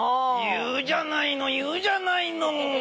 言うじゃないの言うじゃないのもう。